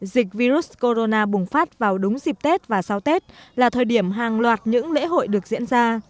dịch virus corona bùng phát vào đúng dịp tết và sau tết là thời điểm hàng loạt những lễ hội được diễn ra